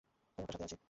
আমি আপনার সাথে আছি।